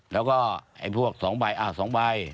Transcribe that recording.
แล้วก็ไอ้พวก๒ใบ๒ใบ